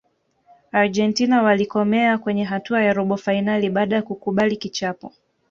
argentina walikomea kwenye hatua ya robo fainali baada ya kukubali kichapo